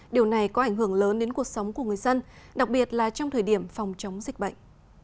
điều này có ảnh hưởng lớn đến cuộc sống của người dân đặc biệt là trong thời điểm phòng chống dịch bệnh